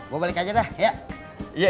mau balik aja dah ya